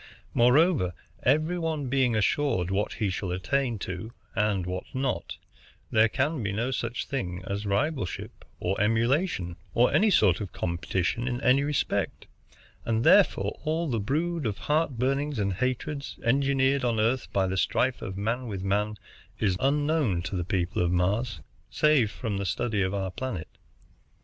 Moreover, every one being assured what he shall attain to and what not, there can be no such thing as rivalship, or emulation, or any sort of competition in any respect; and therefore all the brood of heart burnings and hatreds, engendered on Earth by the strife of man with man, is unknown to the people of Mars, save from the study of our planet.